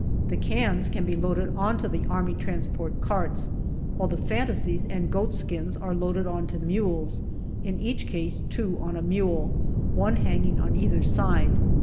The cans can be loaded on to the A.T. carts, while the fantasies and goat skins are loaded on to mules, in each case two on a mule, one hanging on either side.